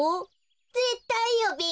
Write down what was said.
ぜったいよべ。